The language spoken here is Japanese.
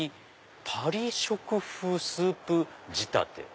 パリ食風スープ仕立て」。